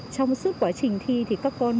trong suốt quá trình thi thì các con